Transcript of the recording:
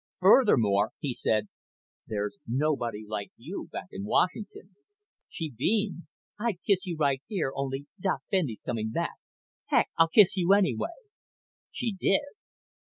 Furthermore," he said, "there's nobody like you back in Washington." She beamed. "I'd kiss you right here, only Doc Bendy's coming back. Heck, I'll kiss you anyway." She did.